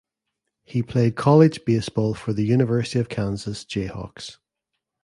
He played college baseball for the University of Kansas Jayhawks.